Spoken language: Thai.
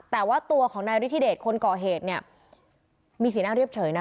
แต่ว่าตัวของนายฤทธิเดชคนก่อเหตุเนี่ยมีสีหน้าเรียบเฉยนะ